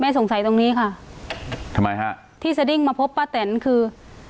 สงสัยตรงนี้ค่ะทำไมฮะที่สดิ้งมาพบป้าแตนคือ